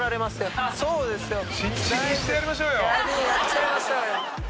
やっちゃいましょうよ！